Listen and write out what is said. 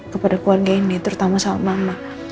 kepada keluarga ini terutama sama mama